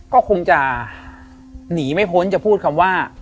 ก็คงจะหนีไม่พ้นจะพูดคำว่า